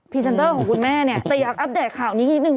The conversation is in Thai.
เซนเตอร์ของคุณแม่เนี่ยแต่อยากอัปเดตข่าวนี้นิดนึง